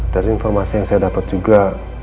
dari informasi yang saya dapat juga